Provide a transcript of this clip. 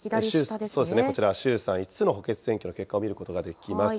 衆参５つの補欠選挙の結果を見ることができます。